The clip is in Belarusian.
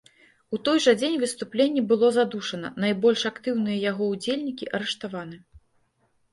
У той жа дзень выступленне было задушана, найбольш актыўныя яго ўдзельнікі арыштаваны.